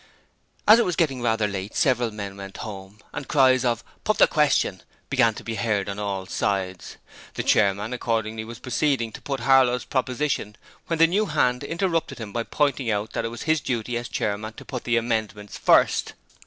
As it was getting rather late, several men went home, and cries of 'Put the question' began to be heard on all sides; the chairman accordingly was proceeding to put Harlow's proposition when the new hand interrupted him by pointing out that it was his duty as chairman to put the amendments first.